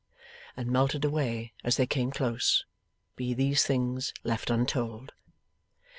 and melted away as they came close; be these things left untold.